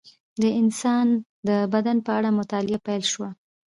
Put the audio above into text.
د انسان د بدن په اړه مطالعه پیل شوه.